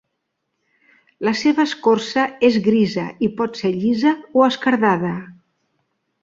La seva escorça és grisa i pot ser llisa o esquerdada.